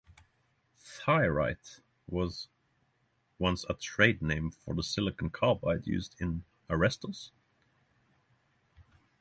"Thyrite" was once a trade name for the silicon carbide used in arresters.